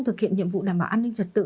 thực hiện nhiệm vụ đảm bảo an ninh trật tự